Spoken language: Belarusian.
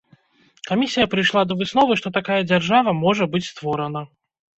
Камісія прыйшла да высновы, што такая дзяржава можа быць створана.